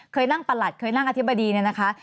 เคยนั่งประหลัดเคยนั่งอธิบดีเนี่ยนะคะ